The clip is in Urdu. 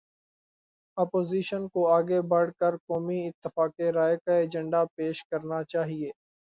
اپوزیشن کو آگے بڑھ کر قومی اتفاق رائے کا ایجنڈا پیش کرنا چاہیے۔